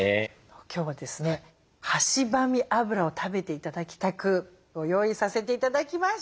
今日はですねはしばみ油を食べて頂きたくご用意させて頂きました。